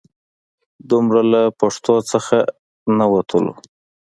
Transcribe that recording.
دومره له پښتو نه نه وتلو.